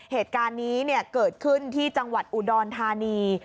เหตุการณ์นี้เกิดขึ้นที่จังหวัดอุดรธานี